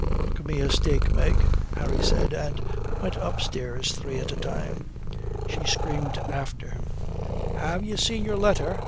"Cook me a steak, Meg," Harry said, and went up the stairs three at a time. She screamed after him "Ha' you seen your letter?